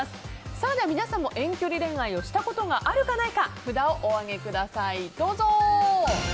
では皆さんも遠距離恋愛をしたことがあるかないか札をお上げください。